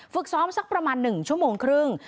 ฝึกซ้อมสักประมาณ๑ชั่วโมงครึ่ง